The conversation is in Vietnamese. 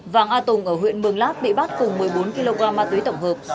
vàng a tùng ở huyện mường lát bị bắt cùng một mươi bốn kg ma túy tổng hợp